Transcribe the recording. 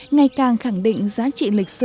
ngày càng khẳng định giá trị lịch sử